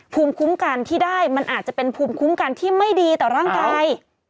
ภูมิคุ้มกันที่ได้มันอาจจะเป็นภูมิคุ้มกันที่ไม่ดีต่อร่างกาย